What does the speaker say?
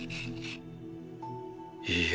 いいえ